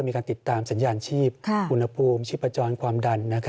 มีการติดตามสัญญาณชีพอุณหภูมิชีพจรความดัน